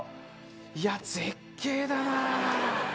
いや絶景だなぁ。